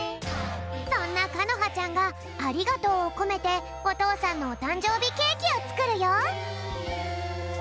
そんなかのはちゃんがありがとうをこめておとうさんのおたんじょうびケーキをつくるよ！